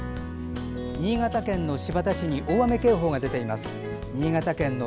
新潟県の新発田市に大雨警報が出ています。